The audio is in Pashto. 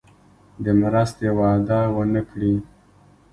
د مرستې وعده ونه کړي.